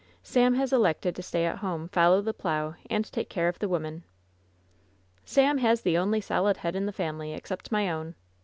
Sam has elected to stay at home, follow the plow, and take care of the women." "Sam has the only solid head in the family, except my own!